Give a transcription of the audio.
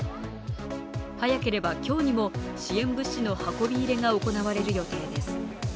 早ければ今日にも支援物資の運び入れが行われる予定です。